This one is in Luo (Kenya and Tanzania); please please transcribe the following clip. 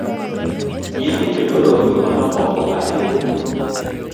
Nyithii jadolo madho kong’o ahinya